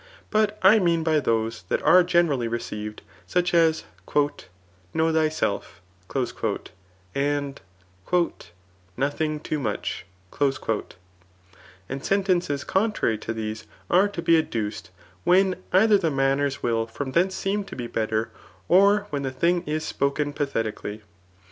But I mean by those that are generally received, such as ^ Know thyself, and « Nothing too much/^ And sentences contrary to these are to be adduced, when eUier the manners will from thence seem to be better, or when the thing is spoken pathetieally.